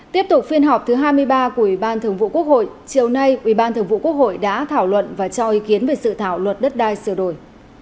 tiếp tục phiên họp thứ hai mươi ba của ubthqh chiều nay ubthqh đã thảo luận và cho ý kiến về sự thảo luật đất đai sửa đổi